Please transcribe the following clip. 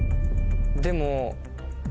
でも。